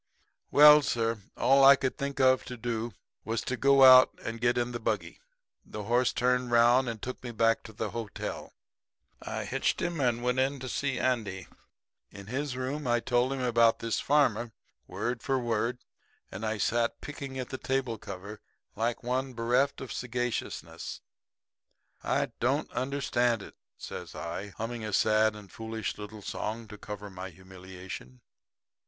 "Well, sir, all I could think of to do was to go out and get in the buggy. The horse turned round and took me back to the hotel. I hitched him and went in to see Andy. In his room I told him about this farmer, word for word; and I sat picking at the table cover like one bereft of sagaciousness. "'I don't understand it,' says I, humming a sad and foolish little song to cover my humiliation.